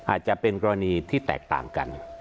อาจจะเป็นกรณีที่แตกต่างกัน